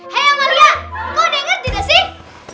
hai amalia kau udah ngerti gak sih